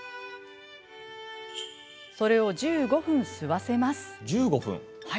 それを１５分吸わせます。